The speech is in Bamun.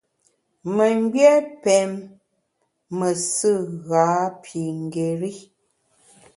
Memgbié pém mesù ghapingéri.